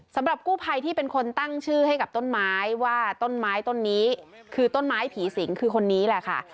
สำหรับกู้ภัยที่เป็นคนตั้งชื่อให้กับต้นไม้ว่าต้นไม้ต้นนี้คือต้นไม้ผีสิงคือคนนี้แหละค่ะ